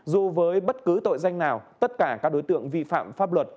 dù với bất cứ tội danh nào tất cả các đối tượng vi phạm pháp luật